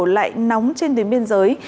lại nóng trên tuyến biên giới